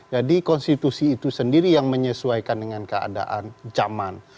jadi konstitusi itu sendiri yang menyesuaikan dengan keadaan zaman